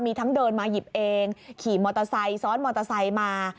มีทั้งเดินมาหยิบเองขี่มอเตอร์ไซค์ซ้อนมอเตอร์ไซค์มา